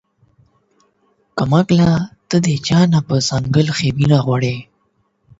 کم عقله تۀ د چا نه پۀ څنګل خوبونه غواړې